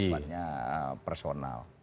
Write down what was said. yang sebenarnya personal